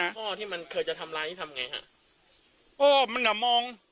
นื่อที่กลัวเพื่อน